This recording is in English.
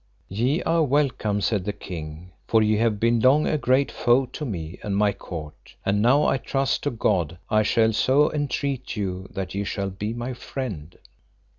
Ye are welcome, said the king, for ye have been long a great foe to me and my court, and now I trust to God I shall so entreat you that ye shall be my friend.